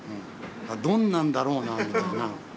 どんなんだろうなみたいな。